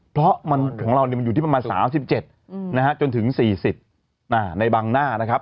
เพราะของเรามันอยู่ที่ประมาณ๓๗จนถึง๔๐ในบางหน้านะครับ